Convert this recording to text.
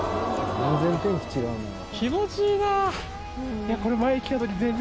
「全然天気違うんだな」